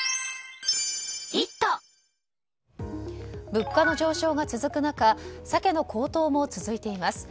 物価の上昇が続く中サケの高騰も続いています。